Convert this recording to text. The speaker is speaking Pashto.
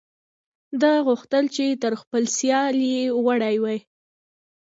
ده غوښتل چې تر خپل سیال یې واړوي.